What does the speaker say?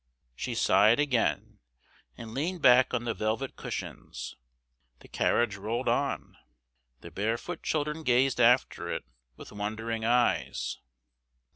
She sighed again, and leaned back on the velvet cushions; the carriage rolled on. The barefoot children gazed after it with wondering eyes.